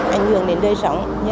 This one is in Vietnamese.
anh dường đến đời sống